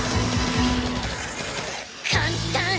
簡単！